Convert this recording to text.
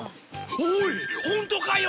おいホントかよ！